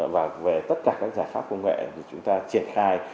và về tất cả các giải pháp công nghệ thì chúng ta triển khai